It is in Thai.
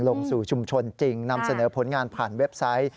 ลงสู่ชุมชนจริงนำเสนอผลงานผ่านเว็บไซต์